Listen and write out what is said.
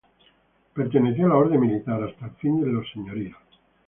Perteneció a la orden militar hasta el fin de los señoríos.